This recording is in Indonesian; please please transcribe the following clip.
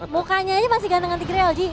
mukanya aja masih gantengan tigreal ji